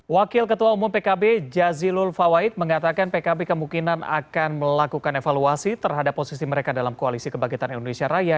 wakil ketua umum pkb jazilul fawait mengatakan pkb kemungkinan akan melakukan evaluasi terhadap posisi mereka dalam koalisi kebangkitan indonesia raya